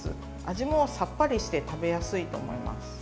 味もさっぱりして食べやすいと思います。